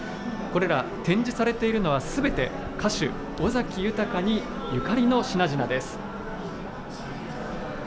これら展示されているのは、すべて歌手、尾崎豊にゆかりの品々です。